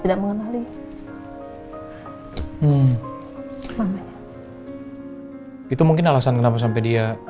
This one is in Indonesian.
itu mungkin alasan kenapa sampai dia